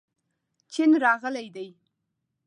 چین راغلی دی.